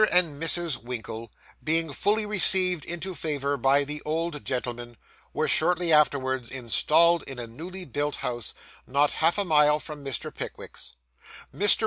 and Mrs. Winkle, being fully received into favour by the old gentleman, were shortly afterwards installed in a newly built house, not half a mile from Mr. Pickwick's. Mr.